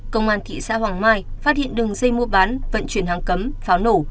công an thị xã hoàng mai phát hiện đường dây mua bán vận chuyển hàng cấm pháo nổ